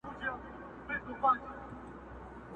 اوس نه منتر کوي اثر نه په مُلا سمېږي؛